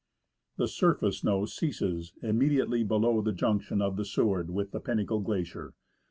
The surface snow ceases immediately below the junction of the Seward with the Pinnacle Glacier.